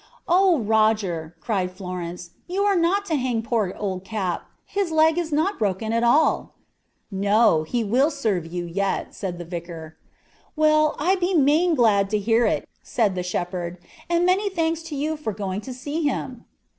"'Oh, Roger,' cried Florence, 'you are not to hang poor old Cap; his leg is not broken at all.' "'No, he will serve you yet,' said the vicar. "'Well, I be main glad to hear it,' said the shepherd, 'and many thanks to you for going to see him.'